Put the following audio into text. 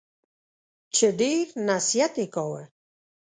چي ډېر نصیحت یې کاوه !